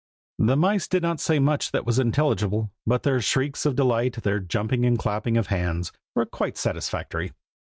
The mice did not say much that was intelligible, but their shrieks of delight, their jumping and clapping of hands, were quite satisfactory.